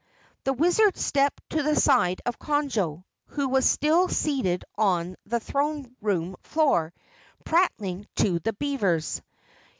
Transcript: The Wizard stepped to the side of Conjo, who was still seated on the throne room floor prattling to the beavers.